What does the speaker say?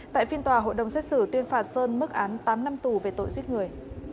tại phiên tòa hội đồng xét xử tuyên phạt sơn mức án tám năm tù về tội giết người